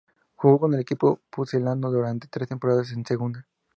Jugó con el equipo pucelano durante tres temporadas en segunda.